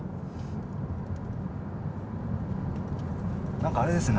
何かあれですね